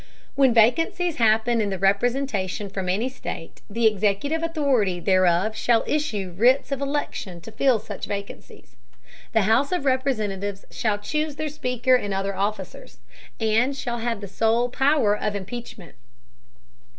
When vacancies happen in the Representation from any State, the Executive Authority thereof shall issue Writs of Election to fill such Vacancies. The House of Representatives shall chuse their Speaker and other Officers; and shall have the sole Power of Impeachment.